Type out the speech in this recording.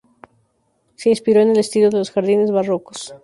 Se inspiró en el estilo de los jardines barrocos.